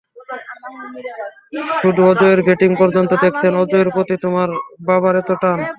শুধু অজয়ের ব্যাটিং পর্যন্ত দেখেছে, অজয়ের প্রতি তোমার বাবার এতো টান।